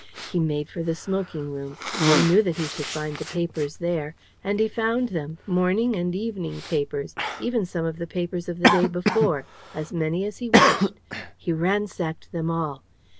He made for the smoking room. He knew that he should find the papers there. And he found them, morning and evening papers even some of the papers of the day before as many as he wished. He ransacked them all.